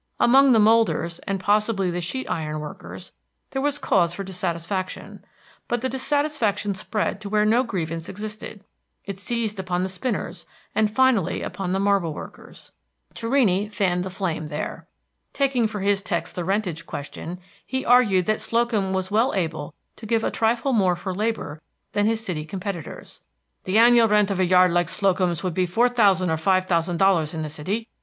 Among the molders, and possibly the sheet iron workers, there was cause for dissatisfaction; but the dissatisfaction spread to where no grievance existed; it seized upon the spinners, and finally upon the marble workers. Torrini fanned the flame there. Taking for his text the rentage question, he argued that Slocum was well able to give a trifle more for labor than his city competitors. "The annual rent of a yard like Slocum's would be four thousand or five thousand dollars in the city.